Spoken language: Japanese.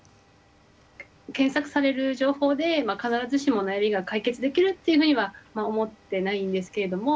検索される情報で必ずしも悩みが解決できるっていうふうには思ってないんですけれども。